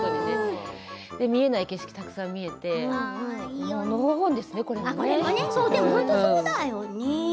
見えない景色がたくさん見えて本当にそうだよね。